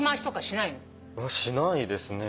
しないですね。